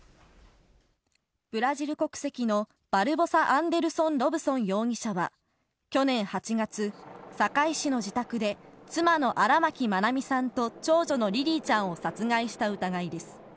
ブラジル国籍のバルボサ・アンデルソン・ロブソン容疑者は、去年８月、堺市の自宅で、妻の荒牧愛美さんと長女のリリィちゃんを殺害した疑いです。